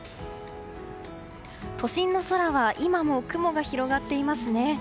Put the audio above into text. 都心の空は今も雲が広がっていますね。